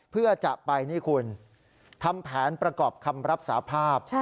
เพื่อจะไปนี่คุณทำแผนประกอบคำรับสาภาพ